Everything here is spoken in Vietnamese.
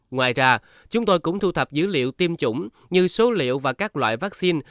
ngoài ra chúng tôi cũng thu thập dữ liệu tiêm chủng như số liệu và các loại vaccine